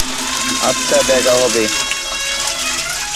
আচ্ছা, দেখা হবে।